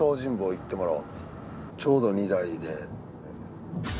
ちょうど２台で。